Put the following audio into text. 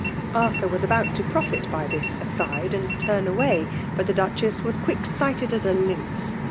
Arthur was about to profit by this cuub, and turn away. But the Dudiess was quick sighted as a lynx.